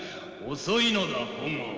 遅いのだ本郷。